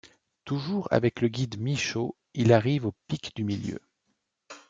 Toujours avec le guide Michot, il arrive au pic du Milieu.